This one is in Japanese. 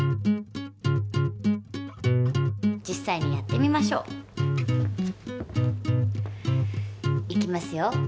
実さいにやってみましょう。いきますよ。